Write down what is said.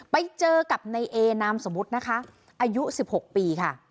ไปเจอกับในเอนามสมมุตินะคะอายุ๑๖ปีค่ะ